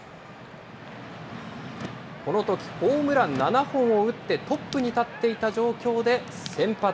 このとき、ホームラン７本を打ってトップに立っていた状況で先発。